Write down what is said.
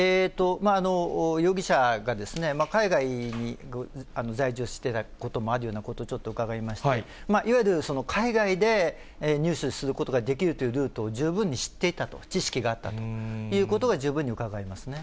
容疑者が海外に在住してたこともあるようなこと、ちょっと伺いまして、いわゆる海外で入手することができるというルートを、十分に知っていたと、知識があったということが、十分にうかがえますね。